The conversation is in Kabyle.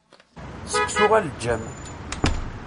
Seksu aleǧǧam.